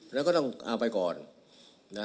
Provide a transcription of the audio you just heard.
แล้วก็ต้องเอาไปก่อนนะ